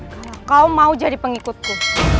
karena kau mau jadi pengikutku